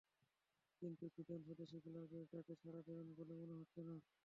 কিন্তু জিদান স্বদেশি ক্লাবের ডাকে সারা দেবেন বলে মনে হচ্ছে না।